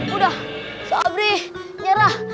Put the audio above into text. udah sobri nyerah